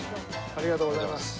ありがとうございます。